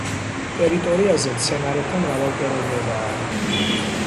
ტერიტორიაზე მცენარეთა მრავალფეროვნებაა.